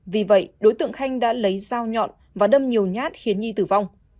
vì vậy đối tượng khanh đã lấy dao nhọn và đâm nhiều nhát khiến nhi tử vong